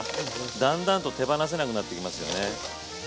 だんだんと手放せなくなってきますよね。